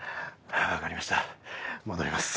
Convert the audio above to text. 分かりました戻ります。